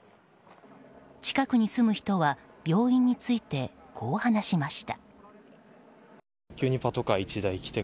近くに住む人は病院についてこう話しました。